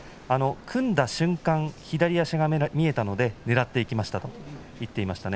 組んだ瞬間、左足が見えたのでねらっていきましたと言っていました。